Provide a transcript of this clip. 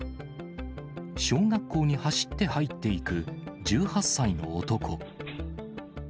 小学校に走って入っていく１８歳の男。